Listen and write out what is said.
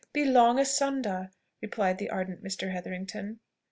be long asunder," replied the ardent Mr. Hetherington.